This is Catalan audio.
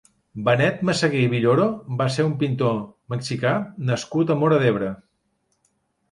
Benet Messeguer i Villoro va ser un pintor mexicà nascut a Móra d'Ebre.